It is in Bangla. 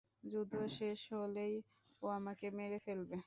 যুদ্ধ শেষ হলেই ও আমাকে মেরে ফেলবে।